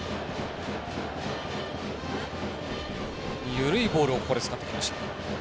緩いボールをここで使ってきました。